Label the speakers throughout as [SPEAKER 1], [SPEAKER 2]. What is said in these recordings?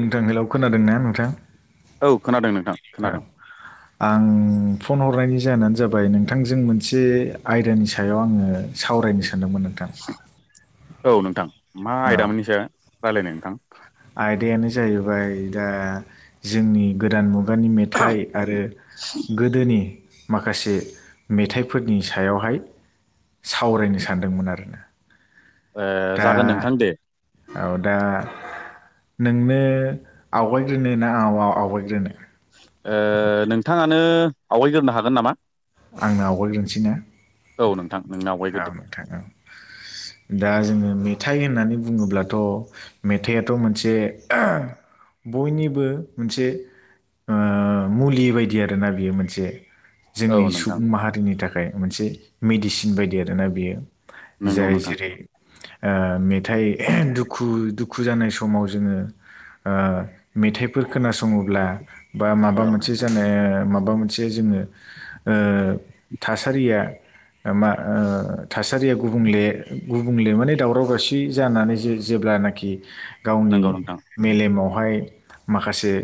[SPEAKER 1] नोंथां हेलौ खोनादों ना नोंथां
[SPEAKER 2] औ खोनादों नोंथां
[SPEAKER 1] औ
[SPEAKER 2] खोनादों
[SPEAKER 1] आं फन हरनायनि जाहोनानो जाबाय नोंथांजों मोनसे आयदानि सायाव आङो सावरायनो सा नदोंमोन नोंथां
[SPEAKER 2] औ नोंथां मा आयदा
[SPEAKER 1] औ
[SPEAKER 2] मोननिसो रायलायनो नोंथां
[SPEAKER 1] आयदायानो जाहैबाय दा जोंनि गोदान मु गानि मेथाइ आरो गोदोनि माखासे मेथाइफोरनि सायावहाय सावरायनो सानदोंमोन आरोना।
[SPEAKER 2] ओ
[SPEAKER 1] दा
[SPEAKER 2] जागोन नोंथां दे
[SPEAKER 1] औ दा नोंनो आवगायग्रोनो ना आं आवगायग्रोनो?
[SPEAKER 2] ओ नोंथाङानो आवगायग्रोनो हागोन नामा?
[SPEAKER 1] आंनो आवगायग्रोनोसै ने।
[SPEAKER 2] औ नोंथां नोंनो आवगायगोरदो।
[SPEAKER 1] दा जोङो मेथाइ होननानै बुङोब्लाथ' मेथाइआथ' मोनसे बयनिबो मोनसे आं मुलि बायदि आरोना बियो मोनसे।
[SPEAKER 2] औ
[SPEAKER 1] जोंनि
[SPEAKER 2] नोंथां
[SPEAKER 1] सुबुं माहारिनि थाखाय मोनसे मेडिसिन बायदि आरोना बेयो।
[SPEAKER 2] नंगौ
[SPEAKER 1] जाय
[SPEAKER 2] नोंथां
[SPEAKER 1] जेरै आ मेथाइ दुखु - दुखु जानाय समाव जोङो आ मेथाइफोर खोनासङोब्ला बा माबा
[SPEAKER 2] औ
[SPEAKER 1] मोनसे
[SPEAKER 2] नोंथां
[SPEAKER 1] जानो मा बा मोनसे जोङो ओ थासारिया मा ओ थासारिया गुबुंले- गुबुंले माने दावराव - दावसि जानानै जे जेब्लानाखि गावनि
[SPEAKER 2] नंगौ नोंथां
[SPEAKER 1] मेलेमावहाय माखासे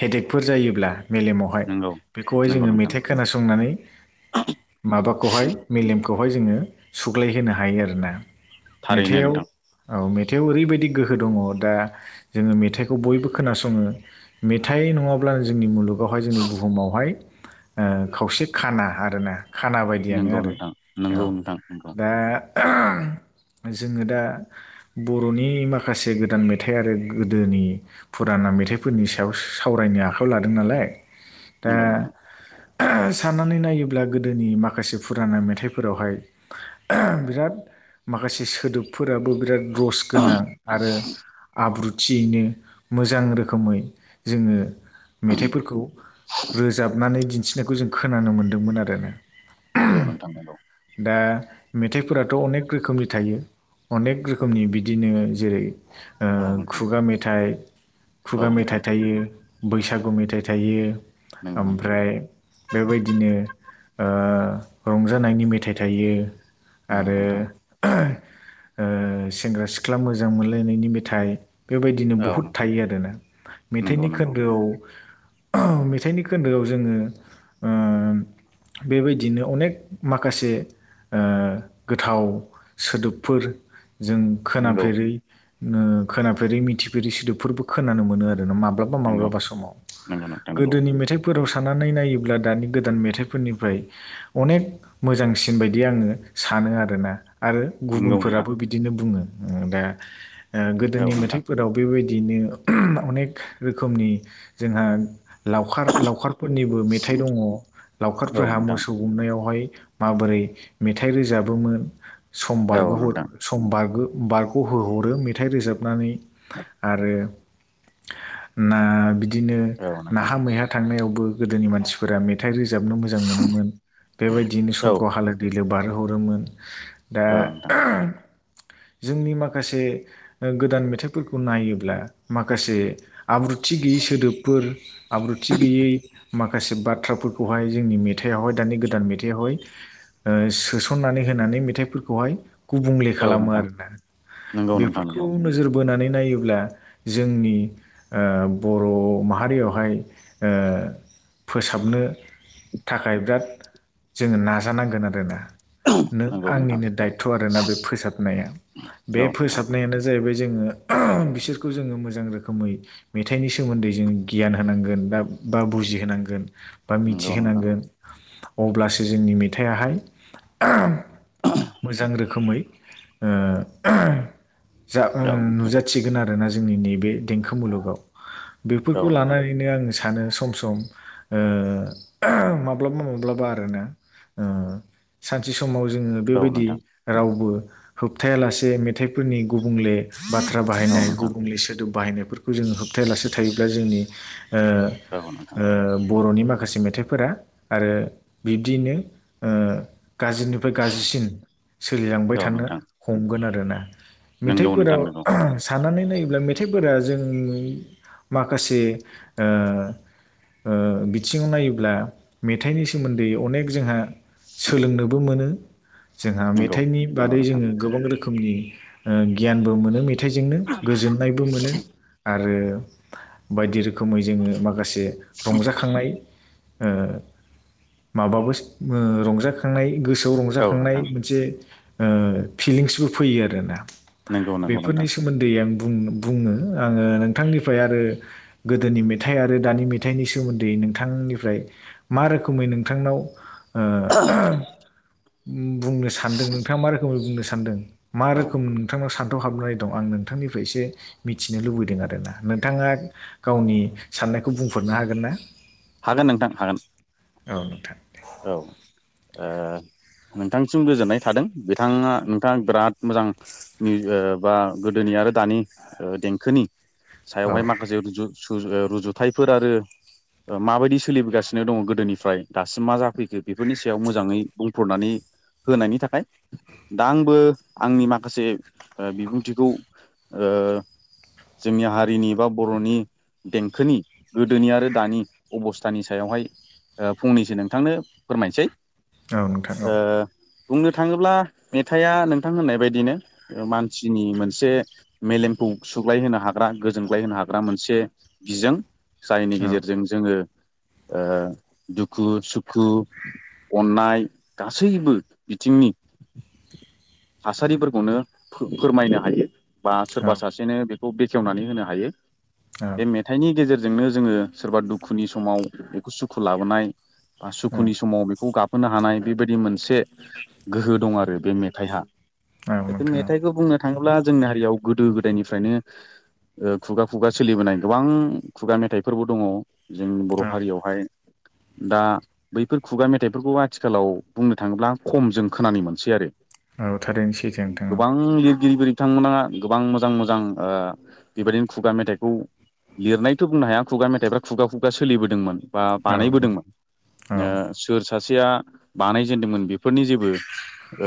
[SPEAKER 1] हेडेकफोर जायोब्ला मेलेमावहाय
[SPEAKER 2] नंगौ
[SPEAKER 1] बेखौहाय
[SPEAKER 2] नंगौ
[SPEAKER 1] जोङो
[SPEAKER 2] नोंथां
[SPEAKER 1] मेथाइ खोनासंनानै माबाखौहाय मेलेमखौहाय जोङो सुग्लायहोनो हायो आरोना।
[SPEAKER 2] थारैनो
[SPEAKER 1] मेथाइआव
[SPEAKER 2] नोंथां
[SPEAKER 1] औ मे थाइआव ओरैबायदि गोहो दङ दा जोङो मेथाइखौ बयबो खोनासङो मेथाइ नङाब्ला जोंनि मुलुगावहाय जोंनि बुहुमावहाय खावसे खाना आरोना। खाना बायदियानो
[SPEAKER 2] नंगौ
[SPEAKER 1] आरो
[SPEAKER 2] नोंथां नंगौ
[SPEAKER 1] औ
[SPEAKER 2] नोंथां नंगौ
[SPEAKER 1] दा जोङो दा बर'नि माखासे गोदान मेथाइ आरो गोदोनि फु राना मेथाइफोरनि सायाव सावरायनो आखाइायाव लादों नालाय। दा
[SPEAKER 2] नंगौ नोंथां।
[SPEAKER 1] साननानै नायोब्ला गोदोनि माखासे फुराना मेथाइफोरावहाय बिराद माखासे सोदोबफोराबो बिराद रस गोनां आरो आब्रु थियैनो मोजां रोखोमै जोङो मेथाइफोरखौ रोजाबनानै दिन्थिनायखौ जों खोनानो मोनदोंमोन आरो।
[SPEAKER 2] नोंगौ नोंथां नोंगौ।
[SPEAKER 1] दा मेथाइफोराथ' अनेक रोखोमनि थायो अनेक रोखोमनि बिदिनो जेरै ओ
[SPEAKER 2] औ नोंथां
[SPEAKER 1] खुगा मेथाइ -
[SPEAKER 2] औ
[SPEAKER 1] खुगा
[SPEAKER 2] नोंथां
[SPEAKER 1] मेथाइ थायो बैसा गु मेथाइ थायो
[SPEAKER 2] नंगौ नोंथां
[SPEAKER 1] ओमफ्राय बेबायदिनो ओ रंजानायनि मेथाइ थायो
[SPEAKER 2] नंगौ
[SPEAKER 1] आरो
[SPEAKER 2] नोंथां
[SPEAKER 1] ओ सेंग्रा- सिख्ला मोजां मोनलायनायनि मेथाइ। बेबायदिनो
[SPEAKER 2] औ
[SPEAKER 1] बहुद
[SPEAKER 2] नोंथां
[SPEAKER 1] थायो आरोना
[SPEAKER 2] नंगौ
[SPEAKER 1] मेथाइनि
[SPEAKER 2] नंगौ
[SPEAKER 1] खोन्दोआव। मेथाइनि खोन्दोआव जोङो ओ बेबायदिनो अनेक माखासे ओ गोथाव सोदोबफोर जों
[SPEAKER 2] नंगौ
[SPEAKER 1] खोनाफेरै ओ खोनाफेरै मिथिफेरै सोदोबफोरबो खोनानो मोनो आरो माब्लाबा
[SPEAKER 2] नंगौ
[SPEAKER 1] माब्लाबा समाव
[SPEAKER 2] नंगौ नोंथां नंगौ
[SPEAKER 1] गोदोनि मेथाइफोराव साननानै नायोब्ला दानि गोदान मेथाइ फोरनिफ्राय अनेक मोजांसिन बायदि आङो सानो आरो ना आरो
[SPEAKER 2] नंगौ नोंथां
[SPEAKER 1] गुबुनफोराबो बिदिनो बुङो उम दा ओ
[SPEAKER 2] औ
[SPEAKER 1] गोदोनि
[SPEAKER 2] नोंथां
[SPEAKER 1] मेथाइफोराव बेबायदि बिदिनो अनेक रोखोमनि जोंहा लावखार लावखारफोरनिबो मेथाइ दं
[SPEAKER 2] औ
[SPEAKER 1] लावखारफोरहा
[SPEAKER 2] नोंथां
[SPEAKER 1] मोसौ गुमनाय यावहाय माबोरै मेथाइ रोजाबोमोन
[SPEAKER 2] औ
[SPEAKER 1] समबारग'
[SPEAKER 2] नोंथां
[SPEAKER 1] समबारगो बारग' होहरो मेथाइ रोजाबनानै आरो ना बिदिनो
[SPEAKER 2] औ नोंथां
[SPEAKER 1] नाहा मैहा थांनाआव बो गोदोनि मानसिफोरा मेथाइ रोजाबनो मोजां मोनोमोन बेबायदियैनो
[SPEAKER 2] औ
[SPEAKER 1] समखौ हालो दैलो [inaudible] बारहरोमोन दा
[SPEAKER 2] औ नोंथां
[SPEAKER 1] जोंनि माखासे उम गोदान मेथाइफोरखौ नायोब्ला माखासे आब्रुथि गैयै सोदोबफोर आब्रुथि गैयै माखासे बाथ्राफोर खौहाय जोंनि मेथाइआवहाय दानि गोदान मेथाइआवहाय उम सोसननानै होनानै मेथाइफोरखौहाय गुबुंले
[SPEAKER 2] औ
[SPEAKER 1] खालामो
[SPEAKER 2] नोंथां
[SPEAKER 1] आरोना
[SPEAKER 2] नंगौ नोंथां
[SPEAKER 1] बेफोरखौ
[SPEAKER 2] नंगौ
[SPEAKER 1] नोजोर बोनानै नायोब्ला जोंनि ओ बर' माहारियावहाय ओ फोसाबनो थाखाय बिराद जोङो नाजानांगोन आरोना नों
[SPEAKER 2] नंगौ नोंथां
[SPEAKER 1] आंनिनो दायथ' आरोना बे फोसाबनाया बे
[SPEAKER 2] औ नोंथां
[SPEAKER 1] फोसाबनायानो जाहैबाय जों बिसोरखौ जोङो मोजां रोखोमै मेथाइनि सोमोन्दै जों गियान होनांगोन बा बा बुजिहोनांगोन बा
[SPEAKER 2] नंगौ नोंथां
[SPEAKER 1] मिथिहोनांगोन अब्लासो जोंनि मेथाइयाहाय ओ मोजां रोखोमै ओ जा ओ
[SPEAKER 2] औ नोंथां
[SPEAKER 1] नुजाथिगोन आरोना जोंनि नै बे देंखो मुलुगाव
[SPEAKER 2] औ
[SPEAKER 1] बेफोरखौ
[SPEAKER 2] नोंथां
[SPEAKER 1] लानानैनो आङो सानो सम सम ओ ओ माब्लाबा माब्लाबा आरो ना ओ सानसे [inaudible] समाव जोङो
[SPEAKER 2] औ
[SPEAKER 1] बेबायदि
[SPEAKER 2] नोंथां
[SPEAKER 1] रावबो होबथायालासे मेथाइफोरनि गुबुंले बाथ्रा
[SPEAKER 2] औ
[SPEAKER 1] बाहायनाय
[SPEAKER 2] नोंथां
[SPEAKER 1] गुबुंले सोदोब बाहायनायफोरखौ जोङो होबथायालासे थायोब्ला जोंनि ओ
[SPEAKER 2] औ नोंथां
[SPEAKER 1] ओ बर'नि माखा माखासे मेथाइफोरा आरो बिब्दियैनो ओ गाजिनिफ्राय गाजिसिन सोलिलांबाय
[SPEAKER 2] औ
[SPEAKER 1] थानो
[SPEAKER 2] नोंथां
[SPEAKER 1] हमगोन आरो ना
[SPEAKER 2] नंगौ नोंथां
[SPEAKER 1] मेथाइफोराव
[SPEAKER 2] नंगौ
[SPEAKER 1] ओ साननानै नाय मेथाइफोरा जोंनि माखासे ओ ओ बि बिथिङाव नायोब्ला मेथाइनि सोमोन्दै अनेक जोंहा सोलोंनोबो मोनो जोंहा
[SPEAKER 2] नंगौ
[SPEAKER 1] मेथाइनि
[SPEAKER 2] नंगौ
[SPEAKER 1] बादै
[SPEAKER 2] नोंथां
[SPEAKER 1] जोङो गोबां रोखोमनि ओ गियानबो मोनो मे मेथाइजोंनो गोजोननायबो मोनो आरो बायदि रोखोम रोखोमै जोङो माखासे रंजाखांनाय ओ माबाबो ओ रंजाखांनाय गोसोआव
[SPEAKER 2] औ
[SPEAKER 1] रंजाखांनाय
[SPEAKER 2] नोंथां
[SPEAKER 1] मोनसे ओ फिलिंसबो फैयो आरो ना ।
[SPEAKER 2] नंगौ नंगौ नोंथां
[SPEAKER 1] बेफोरनि सोमोन्दै आं बुं बुंनो ‌ आङो नोंथांनिफ्राय आरो गोदोनि मेथाइ आरो दानि मेथाइनि सोमोन्दै नोंथांनिफ्राय मा रोखोमै नोंथांनाव ओ बुंनो सानदों नोंथाङा मा रोखोमै बुंनो सानदों मा
[SPEAKER 2] औ
[SPEAKER 1] रोखोम नोंथांनाव सान हाबनानै दं आं नोंथांनिफ्रायसे मिथिनो लुबैदों आरोना नोंथाङा गावनि सा खौ बुंफोरनो हागोन ना?
[SPEAKER 2] हागोन नोंथां हागोन ।
[SPEAKER 1] औ नोंथां ।
[SPEAKER 2] औ ओ नोंथांसिम गोजोननाय थादों बिथांआ नोंथाङा बिराद मोजां निउ बा गोदोनि आरो दानि देंखोनि
[SPEAKER 1] औ
[SPEAKER 2] सायावहाय माखासे [inaudible] रूजु रुजुथायाइफोर आरो माबायदि सोलिबोगासिनो दङ गोदोनिफ्राय दासिम मा जा फैखो बेफोरनि सायाव मोजाङै बुंफोरनानै होनायनि थाखाय दा आंबो आंनि माखासे ओ बिबुंथिखौ ओ जोंनि हारिनि बा बर'नि देंखोनि गोदोनि आरो दानि अबस्थानि सायावहाय ओ फंनैसो नोंथांनो फोरमायनोसै ।
[SPEAKER 1] औ नोंथां औ ।
[SPEAKER 2] बुंनो थाङोब्ला मेथाइआ नोंथां होननाय बायदिनो मानसिनि मोनसे मेलेमखौ सुग्लाय होनो हाग्रा गोजोनग्लाय होनो हाग्रा मोनसे बिजों । जायनि गेजेरजों जोङो ओ दुखु सुखु अननाय गासैबो बिथिंनि थासारिफोरखौनो फो फोरमायनो हायो। बा
[SPEAKER 1] औ
[SPEAKER 2] सोरबा सासेनो बेखौ बेखेवनानै होनो हायो
[SPEAKER 1] औ
[SPEAKER 2] बे मेथाइनि गेजेर जोंनो जोङो सोरबा दुखुनि समाव सुखु लाबोनाय बा सुखुनि समाव बेखौ गाब होनो हानाय बेबायदि मोनसे गोहो दं आरो बे मेथाइहा।
[SPEAKER 1] औ नोंथां औ
[SPEAKER 2] मेथाइखौ बुंनो थाङोब्ला जोंनि हारियाव गोदो गोदायनिफ्रायनो ओ खुगा खुगा सोलिबोनाय गोबां खुगा मेथाइफोरबो दङ। जोंनि बर'
[SPEAKER 1] औ
[SPEAKER 2] हारियावहाय दा बैफोर खुगा मेथाइफोरखौ आथिखालाव बुंनो थाङोब्ला खम जों खोनानो मोनसै आरो।
[SPEAKER 1] औ थारैनो सैथो नोंथां ।
[SPEAKER 2] गिगिरि बिथांमोना गोबां मोजां मोजां ओ बेबायदिनो खुगा मेथाइखौ लिरनायथ' बुंनो हाया खुगा मेथाइफ्रा खुगा खुगा सोलिबोदोंमोन। बा
[SPEAKER 1] औ नोंथां औ
[SPEAKER 2] बानायबोदोंमोन ओ सोर सासेया बानायजेनदोंमोन बेफोरनि जेबो ओ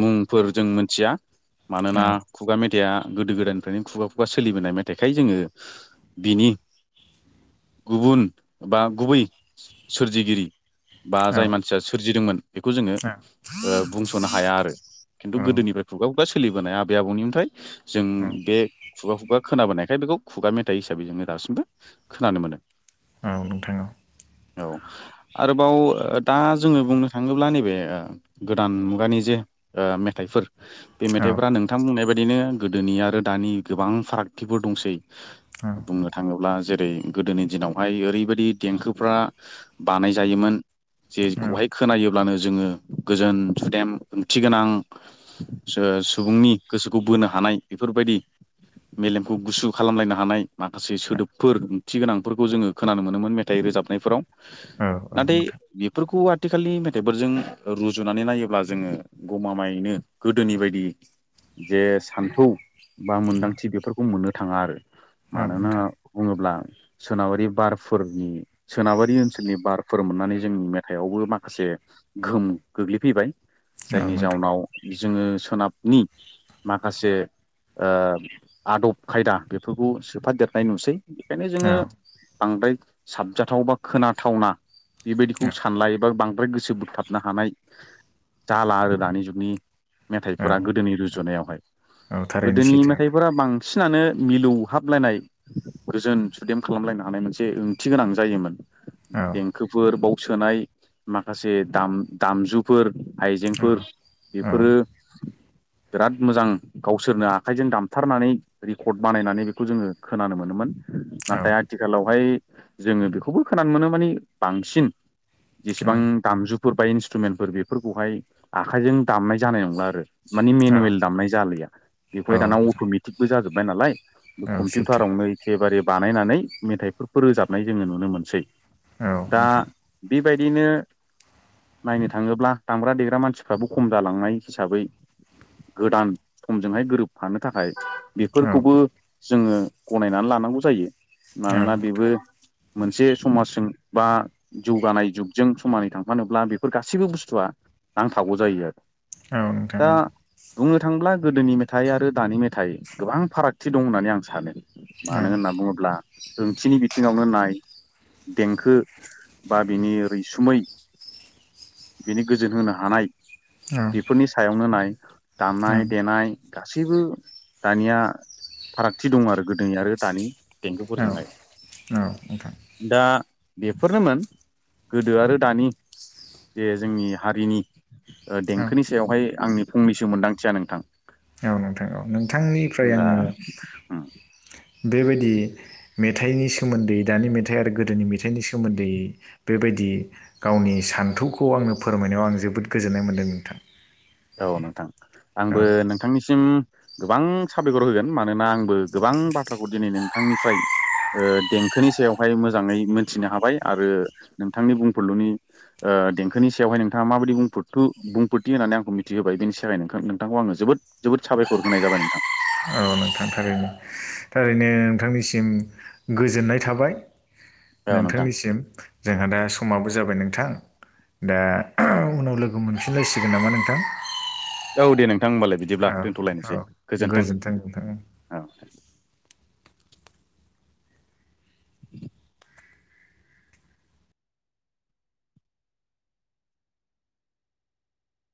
[SPEAKER 2] मुंफोर जों मिथिया मानोना
[SPEAKER 1] औ
[SPEAKER 2] खुगा मेथाइआ गोदो गोदायनिफ्रायनो खुगा खुगा सोलिबोनाय मेथाइखाय जोङो बिनि गुबुन बा गुबै सोरजिगिरि बा
[SPEAKER 1] औ
[SPEAKER 2] जाय मानसिया सोरजिदोंमोन बेखौ जोङो
[SPEAKER 1] औ
[SPEAKER 2] ओ बुंस'नो हाया आरो खिन्थु
[SPEAKER 1] औ
[SPEAKER 2] गोदोनिफ्राय खुगा बा सोलिबोनाय आबै आबौनिफ्राय जों बे खुगा खुगा खोनाबोनायखाय बेखौ खुगा मेथाइ हिसाबै जोङो दासिमबो खोनानो मोनो।
[SPEAKER 1] औ नोंथां औ।
[SPEAKER 2] औ आरोबाव दा जोङो बुंनो थाङोब्ला नैबे गोदान मुगानि जे ओ मेथाइफोर बे
[SPEAKER 1] औ
[SPEAKER 2] मेथाइफोरा नोंथां बुंनाय बायदिनो गोदोनि आरो दानि गोबां फारागथिफोर दंसै।
[SPEAKER 1] औ
[SPEAKER 2] बुंनो थाङोब्ला जेरै गोदोनि दिनावहाय ओरैबायदि देंखोफ्रा बानायजायोमोन
[SPEAKER 1] औ
[SPEAKER 2] जेखौहाय खोनायोब्लानो जोङो गोजोन सुदेम ओंथि गोनां सो सुबुंनि गोसोखौ बोनो हा नाय बेफोरबायदि मेलेमखौ गुसु खालामलायनो हानाय। माखासे
[SPEAKER 1] नोंथां
[SPEAKER 2] सोदोबफोर ओंथि गोनांफोरखौ जोङो खोनानो मोनोमोन मेथाइ रोजाबनायफोराव ।
[SPEAKER 1] औ
[SPEAKER 2] नाथाय
[SPEAKER 1] नोंथां
[SPEAKER 2] बेफोरखौ आथिखालनि मेथाइफोरजों रुजुनानै नायोब्ला जोङो गमामायैनो गोदोनि बायदि जे सान्थौ बा मोन्दांथि बेफोरखौ मोननो थाङा आरो
[SPEAKER 1] औ
[SPEAKER 2] मानोना बुङोब्ला सोनाबारि बारफोर सोनाबारि ओनसोलनि बारफोर मोननानै जोंनि मेथाइआवबो माखासे गोहोम गोग्लैफैबाय। जायनि
[SPEAKER 1] नोंथां
[SPEAKER 2] जाउनाव जोङो सोनाबनि माखासे ओ आदब खायदा बेफोरखौ सोफादेरनाय नुसै। बेखायनो
[SPEAKER 1] औ
[SPEAKER 2] जोङो बांद्राय साबजाथाव बा खोनाथावना बेबायदिखौ सानलायो बा बांद्राय गोसो बोगथाबनो हानाय जाला आरो दानि जुगनि
[SPEAKER 1] औ
[SPEAKER 2] मेथाइफोरा गोदोनि रुजुनायावहाय
[SPEAKER 1] औ थारैनो
[SPEAKER 2] गोदोनि
[SPEAKER 1] सैथो नोंथां
[SPEAKER 2] मेथाइफोरा बां बिसिनानो मिलौहाबलायनाय रजोन सुदेम खालामलायनो हानाय मोनसे ओंथि गोनां जायोमोन।
[SPEAKER 1] औ
[SPEAKER 2] देंखोफोर बाव सोनाय माखासे दामजुफोर
[SPEAKER 1] औ
[SPEAKER 2] आइजेंफोर
[SPEAKER 1] औ
[SPEAKER 2] बेफोरो बिराद मोजां गावसोरनो आखाइजों दामथारनानै रेकर्ड बानायनानै बेखौ जोङो खोनानो मोनोमोन। नाथाय आथिखालावहाय जोङो बेखौबो खोनानो मोनो मानि बांसिन
[SPEAKER 1] औ
[SPEAKER 2] जेसेबां दामजुफोर बा इन्सट्रुमेन्टफोर बेफोरखौहाय आखाइजों दामनाय जानाय नंला आरो। मानि मेनुयेल दामनाय जाालया बेखौहाय दाना
[SPEAKER 1] नोंथां
[SPEAKER 2] अट'मेटिकबो जाजोब्बाय नालाय
[SPEAKER 1] औ सैथो
[SPEAKER 2] कम्पिउटारावनो एखेबारे बानायनानै मेथाइफोरखौ रोजाबनाय जोङो नुनो मोनसै।
[SPEAKER 1] औ
[SPEAKER 2] दा
[SPEAKER 1] नोंथां।
[SPEAKER 2] बेबायदिनो नायनो थाङोब्ला दामग्रा देग्रा मानसिफ्राबो खम जालांनाय हिसाबै गोदान समजोंहाय गोरोबफानो थाखाय
[SPEAKER 1] औ
[SPEAKER 2] बेफोरखौबो जोङो गनायनानै लानांगौ जायो मानोना बेबो
[SPEAKER 1] नोंथां
[SPEAKER 2] मोनसे समाजजों बा जौगानाय जुगजों समानै थांफानोब्ला बेफोर गासैबो बुस्थुआ नांथागौ जायो आरो।
[SPEAKER 1] आ द
[SPEAKER 2] दा
[SPEAKER 1] [unintelligible]
[SPEAKER 2] बुंनो थाङोब्ला गोदोनि मेथाइ आरो दानि मेथाइ गोबां फारागथि दं होननानै आं सानो। मानो होनना बुङोब्ला ओंथिनि बिथिङावनो नाय। देंखो बा बिनि रओैसुमै। बिनि गोजोन होनो हानाय बेफोरनि सायावनो नाय। दामनाय देनाय। गासैबो दानिया फारागथि दं आरो गोदोनि आरो दानि।
[SPEAKER 1] औ
[SPEAKER 2] देंखोफोरजोंहाय
[SPEAKER 1] औ नोंथां।
[SPEAKER 2] दा बेफोरनोमोन गोदो आरो दानि जे जोंनि हारिनि
[SPEAKER 1] औ
[SPEAKER 2] देंखोनि
[SPEAKER 1] नोंथां
[SPEAKER 2] सायावहाय आंनि फंनैसो मोनदांथिया नोंथां।
[SPEAKER 1] औ नोंथां औ नोंथांनिफ्राय
[SPEAKER 2] दा
[SPEAKER 1] आङो
[SPEAKER 2] उम
[SPEAKER 1] बेबायदि मेथाइनि सोमोन्दै दानि मेथाइ आरो गोदोनि मेथाइनि सोमोन्दै बेबायदि बायायदि गावनि सान्थौखौ आंनो फोरमायनायाव आं जोबोद गोजोन्नाय मोन्दों नोंथां।
[SPEAKER 2] औ नोंथां
[SPEAKER 1] औ
[SPEAKER 2] आंबो नोंथांनिसिम गोबां साबायखर होगोन मानोना आंबो गोबां बाथ्राखौ दिनै नोंथांनिफ्राय देंखोनि सायावहाय मोजाङै मोनथिनो हाबाय आरो नोंथांनि बुंफोरल'नि देंखोनि सायावहाय नोंथाङा माबायदि बुं बुंफोरथियो होननानै आंखौ मिथि दि होबाय बिनि थाखाय नोंथांखौ आङो जोबोद जोबोद साबायखर होनाय जाबाय नोंथां।
[SPEAKER 1] थां थारैनो थारैनो नोंथांनिसिम गोजोननाय थाबाय।
[SPEAKER 2] औ नोंथां
[SPEAKER 1] नोंथांनिसिम जोंहा दा समाबो जाबाय नोंथां। दा उनाव लोगो मोनफिनलायसिगोन नामा नोंथां।
[SPEAKER 2] औ दे नों नोंथां होमबालाय बिदिब्ला
[SPEAKER 1] औ औ
[SPEAKER 2] दोनथ'लायनोसै गोजोन्थों औ। [inaudible]